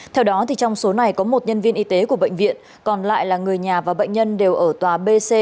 theo đó trong số này có một nhân viên y tế của bệnh viện còn lại là người nhà và bệnh nhân đều ở tòa b c